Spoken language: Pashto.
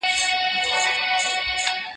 نن به سي، سبا به سي؛ در بې کو پيدا به سي.